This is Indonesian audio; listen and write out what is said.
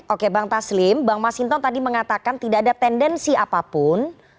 oke bang taslim bang masinton tadi mengatakan tidak ada tendensi apapun